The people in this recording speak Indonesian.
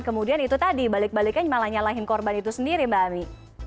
kemudian itu tadi balik baliknya malah nyalahin korban itu sendiri mbak ami